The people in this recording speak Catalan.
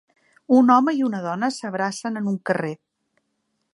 Un home i una dona s'abracen en un carrer.